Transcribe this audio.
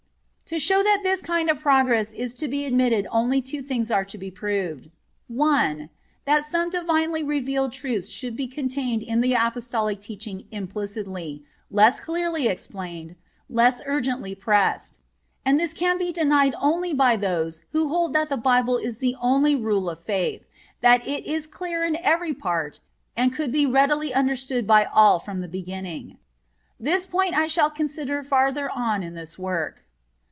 To show that this kind of progress is to be admitted only two things are to be proved: 1: That some divinely revealed truths should be contained in the Apostolic teaching implicitly, less clearly explained, less urgently pressed. And this can be denied only by those who hold that the Bible is the only rule of Faith, that it is clear in every part, and could be readily understood by all from the beginning. This point I shall consider farther on in this work.